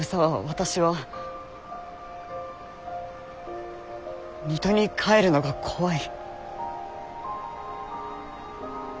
私は水戸に帰るのが怖い。